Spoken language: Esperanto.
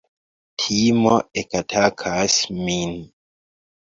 Timo ekatakas min.